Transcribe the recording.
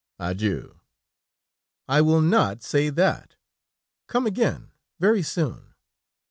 Adieu!" "I will not say that; come again, very soon."